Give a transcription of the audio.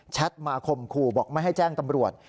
มาข่มขู่บอกไม่ให้แจ้งตำรวจ